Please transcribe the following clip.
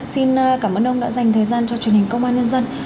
xin cảm ơn ông đã dành thời gian cho truyền hình công an nhân dân